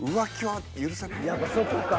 やっぱそこか。